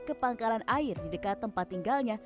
ke pangkalan air di dekat tempat tinggalnya